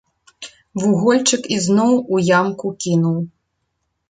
Вугольчык ізноў у ямку кінуў.